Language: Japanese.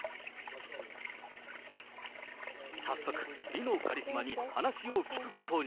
早速、美のカリスマに話を聞くことに。